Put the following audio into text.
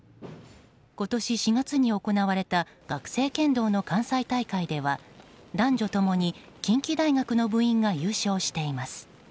今年４月に行われた学生剣道の関西大会では男女共に近畿大学の部員が優勝しています。